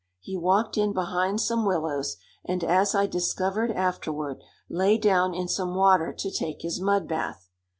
He walked in behind some willows and, as I discovered afterward, lay down in some water to take his mud bath.